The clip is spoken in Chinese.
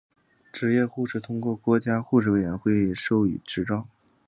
执业护士通过国家护士委员会授予执照。